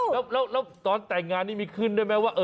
แล้วตอนแต่งงานนี่มีขึ้นได้ไหมว่า